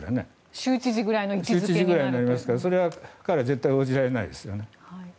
州知事ぐらいになりますからそれは彼は絶対に応じられないですよね。